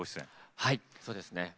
はいそうですね。